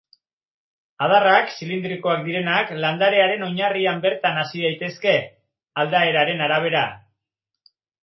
Adarrak, zilindrikoak direnak, landarearen oinarrian bertan hasi daitezke, aldaeraren arabera.